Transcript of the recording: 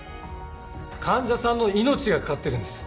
患者さんの命がかかってるんです。